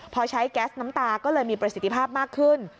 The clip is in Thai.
พอใช้แก๊สน้ำตาก็เลยมีประสิทธิภาพมากขึ้น